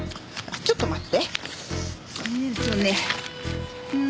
ちょっと待って。